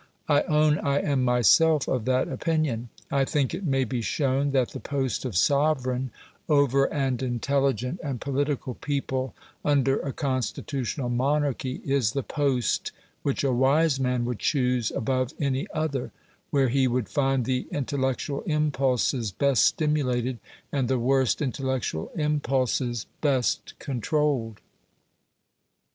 I own I am myself of that opinion. I think it may be shown that the post of sovereign over an intelligent and political people under a constitutional monarchy is the post which a wise man would choose above any other where he would find the intellectual impulses best stimulated and the worst intellectual impulses best controlled.